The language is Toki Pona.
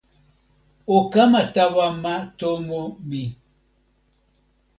o kama tawa ma tomo mi.